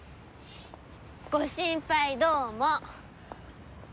ご心配どうも。